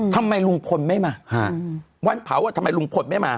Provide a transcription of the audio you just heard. ทำไมลุงพลไม่มาวันเผาอ่ะทำไมลุงพลไม่มา